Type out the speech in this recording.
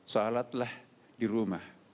salatlah di rumah